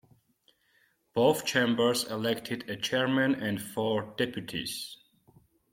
Both chambers elected a Chairman and four Deputies.